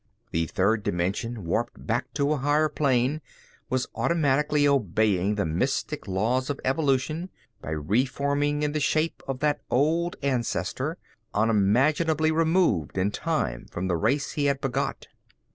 The third dimension, warped back to a higher plane, was automatically obeying the mystic laws of evolution by reforming in the shape of that old ancestor, unimaginably removed in time from the race he had begot.